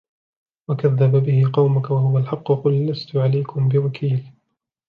وَكَذَّبَ بِهِ قَوْمُكَ وَهُوَ الْحَقُّ قُلْ لَسْتُ عَلَيْكُمْ بِوَكِيلٍ